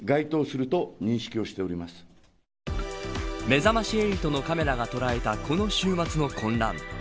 めざまし８のカメラが捉えたこの週末の混乱。